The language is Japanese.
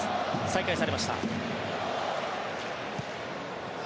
再開されました。